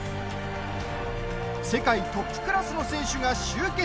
世界トップクラスの選手が集結。